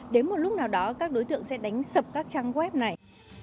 đến một lúc nào đó các đối tượng sẽ đánh sập các trang web này